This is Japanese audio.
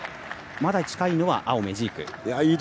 まだ近いのは青、メジーク。